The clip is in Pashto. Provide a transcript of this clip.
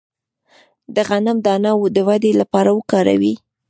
د غنم دانه د ودې لپاره وکاروئ